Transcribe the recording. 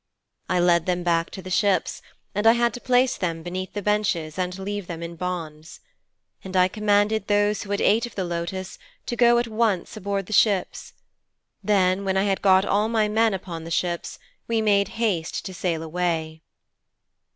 I led them back to the ships, and I had to place them beneath the benches and leave them in bonds. And I commanded those who had ate of the lotus to go at once aboard the ships. Then, when I had got all my men upon the ships, we made haste to sail away.'